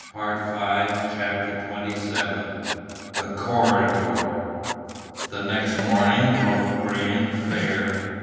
PART V CHAPTER XXVII THE CORRIDOR The next morning broke grey and fair.